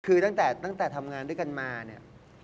คือตั้งแต่ทำงานด้วยกันมาเนี่ย